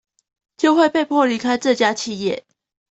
就會被迫離開這家企業